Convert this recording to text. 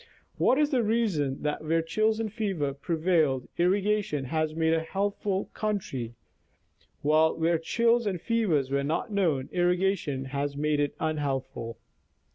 What is the reason that where chills and fever pre vailed, irrigation has made a healthful country, while where chills and fevers were not known, irrigation has made it unhealthful